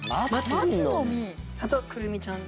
あとくるみちゃん。